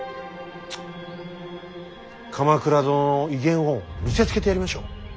鎌倉殿の威厳を見せつけてやりましょう。